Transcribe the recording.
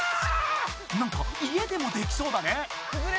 なんか家でもできそうだね。